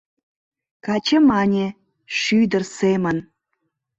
Каче мане: «Шӱдыр семын